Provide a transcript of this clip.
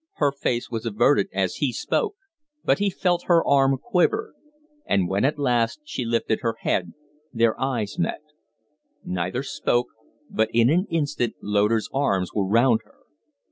Her face was averted as he spoke, but he felt hen arm quiver; and when at last she lifted her head, their eyes met. Neither spoke, but in an instant Loder's arms were round her.